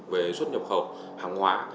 về xuất nhập khẩu hàng hóa